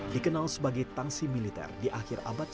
dikenal sebagai tangsi militer di akhir abad sembilan belas